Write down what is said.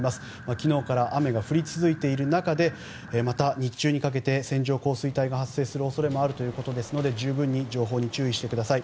昨日から雨が降り続いている中でまた日中にかけて線状降水帯が発生する恐れもあるということですので十分に情報に注意してください。